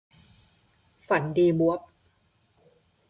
ฝันดีบ๊วบ